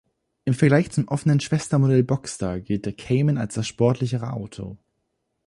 Im Vergleich zum offenen Schwestermodell Boxster gilt der Cayman als das sportlichere Auto.